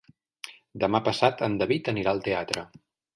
Demà passat en David anirà al teatre.